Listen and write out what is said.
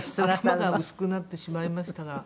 頭が薄くなってしまいましたが。